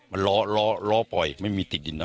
มันร้อรอปล่อยไม่มีติดดินเลย